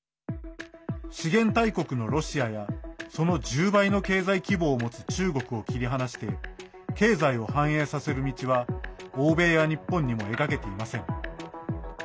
資源大国のロシアやその１０倍の経済規模を持つ中国を切り離して経済を反映させる道は欧米や日本にも描けていません。